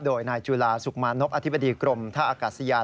โดยนายจุฬาสุขมานบอธิบดีกรมท่าอากาศยาน